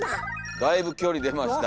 だいぶ距離出ました。